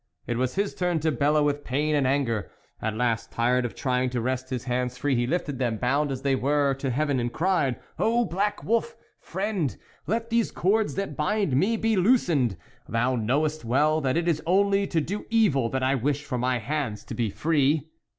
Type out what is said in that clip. It was his turn to bellow with pain and anger. At last, tired of trying to wrest his hands free, he lifted them, bound as they were, to heaven, and cried :" Oh ! black wolf ! friend, let these cords that bind me be loosened ; thou knowest well that it is only to do evil that I wish for my hands to be free."